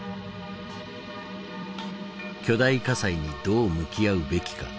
巨大火災にどう向き合うべきか。